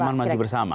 taman maju bersama